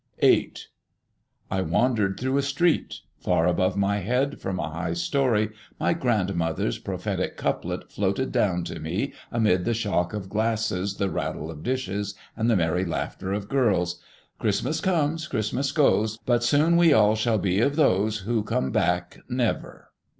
VIII. I wandered through a street. Far above my head, from a high story, my grandmother's prophetic couplet floated down to me amid the shock of glasses, the rattle of dishes, and the merry laughter of girls. "Christmas comes, Christmas goes; But soon we all shall be of those Who come back never!"